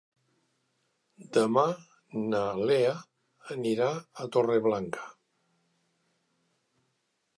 Demà na Lea anirà a Torreblanca.